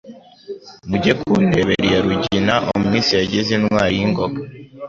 Mujye kundebera iya RuginaUmwisi yagize intwari y' ingoga